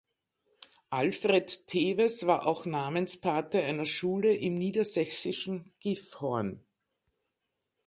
Alfred Teves war auch Namenspate einer Schule im niedersächsischen Gifhorn.